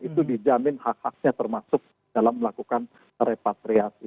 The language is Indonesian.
itu dijamin hak haknya termasuk dalam melakukan repatriasi